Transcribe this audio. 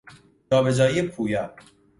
جابجایی پویا